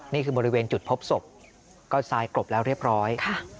นี่คือบริเวณจุดพบศพก็ทรายกลบแล้วเรียบร้อย